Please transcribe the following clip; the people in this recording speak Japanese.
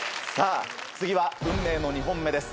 次は運命の２本目です